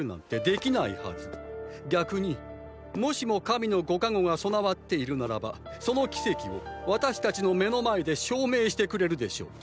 逆にもしも神のご加護が備わっているならばその奇跡を私たちの目の前で証明してくれるでしょう！っ！